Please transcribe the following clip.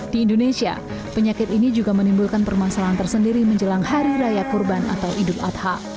di indonesia penyakit ini juga menimbulkan permasalahan tersendiri menjelang hari raya kurban atau idul adha